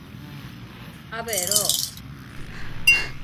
–A ver, ho.